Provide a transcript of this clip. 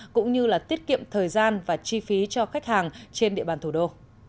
cũng như tiết kiệm thời gian và chi phí cho khách hàng trên địa bàn thủ đô